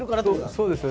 そうですね。